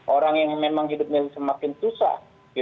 orang yang memang hidupnya semakin susah